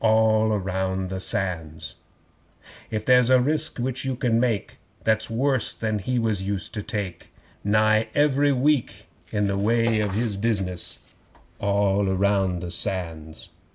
(All round the Sands!) 'If there's a risk which you can make That's worse than he was used to take Nigh every week in the way of his business; (All round the Sands!)